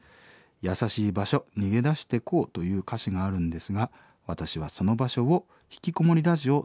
『優しい場所逃げ出してこう』という歌詞があるんですが私はその場所を『ひきこもりラジオ』だと思ってよく聴いてます」。